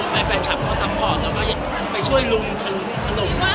แล้วสุดก็ยังไม่เห็นชุกประจำอ่ะ